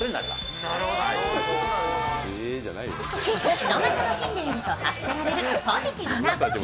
人が楽しんでいると発せられるポジティブな気。